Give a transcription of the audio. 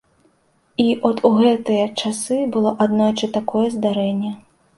І от у гэтыя часы было аднойчы такое здарэнне.